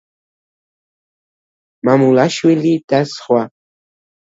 მამულაშვილი და სხვა.